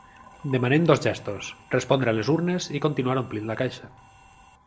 Demanem dos gestos: respondre a les urnes i continuar omplint la caixa.